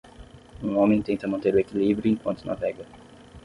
Um homem tenta manter o equilíbrio enquanto navega